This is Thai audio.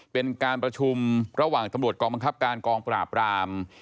เป็นการประชุมระหว่างตำรวจกองบังคับการกองปราบราม